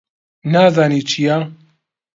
نازانی چییە؟